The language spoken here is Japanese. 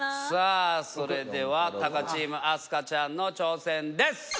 さあそれではたかチーム明日香ちゃんの挑戦です。